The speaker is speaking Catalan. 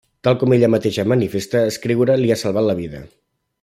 Tal com ella mateixa manifesta, escriure li ha salvat la vida.